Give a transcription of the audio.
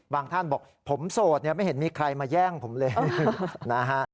ท่านบอกผมโสดเนี่ยไม่เห็นมีใครมาแย่งผมเลยนะฮะ